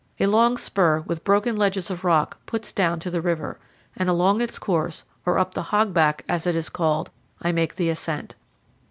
A long spur, with broken ledges of rock, puts down to the river, and along its course, or up the "hogback," as it is called, I make the ascent.